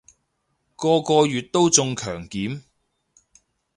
個個月都中強檢